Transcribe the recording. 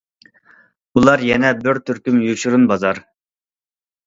بۇلار يەنە بىر تۈركۈم يوشۇرۇن بازار.